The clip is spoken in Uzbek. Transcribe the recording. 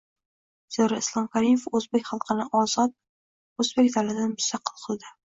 Zero, Islom Karimov o‘zbek xalqini ozod, O‘zbekiston davlatini mustaqil qildi